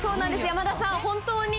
山田さん。